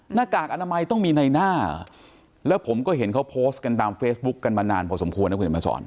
หน้ากากอนามัยต้องมีในหน้าแล้วผมก็เห็นเขาโพสต์กันตามเฟซบุ๊คกันมานานพอสมควรนะคุณเห็นมาสอน